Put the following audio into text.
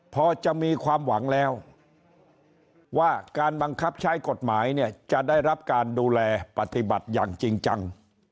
พอจะมีความหวังแล้วว่าการบังคับใช้กฎหมายเนี่ยจะได้รับการดูแลปฏิบัติอย่างจริงจัง